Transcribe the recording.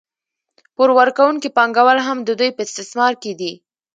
پور ورکوونکي پانګوال هم د دوی په استثمار کې دي